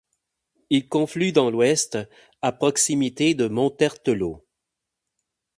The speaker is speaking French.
Il conflue dans l'Oust à proximité de Montertelot.